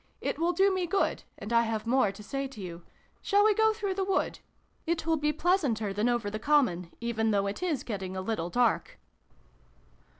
It will do me good, and I have more to say to you. Shall we go through the wood ? It will be pleasanter than over the common, even though it is getting a little dark."